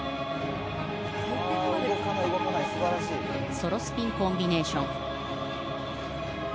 ソロスピンコンビネーション。